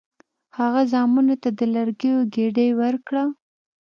هغه زامنو ته د لرګیو ګېډۍ ورکړه.